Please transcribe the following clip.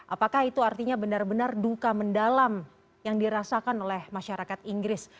apakah itu artinya benar benar duka mendalam yang dirasakan oleh masyarakat inggris